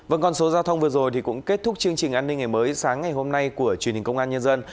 vâng con số giao thông vừa rồi thì cũng kết thúc chương trình an ninh ngày mới sáng ngày hôm nay của truyền hình công an nhân dân